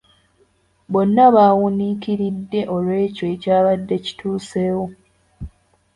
Bonna bawuniikiridde olw'ekyo ekyabadde kituseewo.